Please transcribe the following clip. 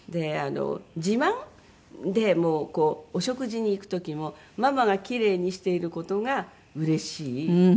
自慢でお食事に行く時もママがキレイにしている事がうれしい。